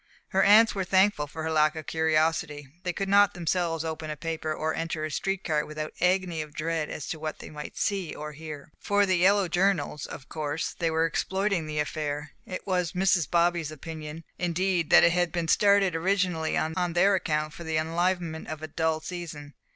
Her aunts were thankful for her lack of curiosity. They could not themselves open a paper, or enter a street car, without an agony of dread as to what they might see or hear. For the yellow journals, of course, were exploiting the affair it was Mrs. Bobby's opinion, indeed, that it had been started originally on their account, for the enlivenment of a dull season.